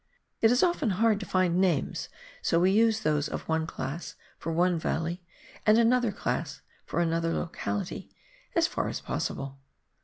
It is often hard to find names, so we use those of one class for one valley, and another class for another locality, as far as possible.